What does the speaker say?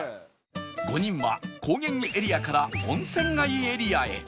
５人は高原エリアから温泉街エリアへ